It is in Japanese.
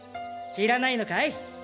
知らないのかい？